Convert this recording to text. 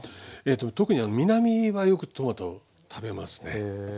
特に南はよくトマト食べますね。